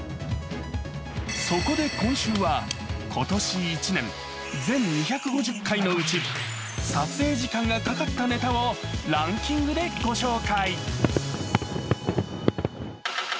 そこで今週は今年１年、全２５０回のうち撮影時間がかかったネタをランキングでご紹介。